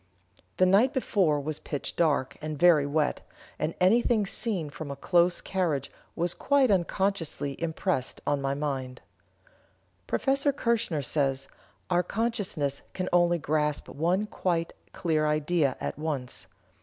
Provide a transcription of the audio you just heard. The night before was pitch dark, and very wet, and anything seen from a close carriage was quite unconsciously impressed on my mind." Prof. Kirchener says: "Our consciousness can only grasp one quite clear idea at once.